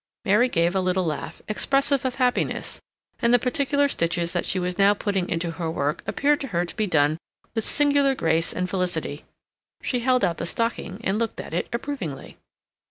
Mary gave a little laugh, expressive of happiness, and the particular stitches that she was now putting into her work appeared to her to be done with singular grace and felicity. She held out the stocking and looked at it approvingly.